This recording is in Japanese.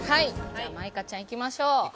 じゃあ舞香ちゃんいきましょう。